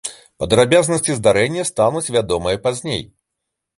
Падрабязнасці здарэння стануць вядомыя пазней.